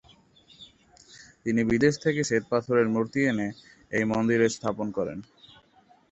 তিনি বিদেশ থেকে শ্বেত পাথরের মূর্তি এনে এই মন্দিরে স্থাপন করেন।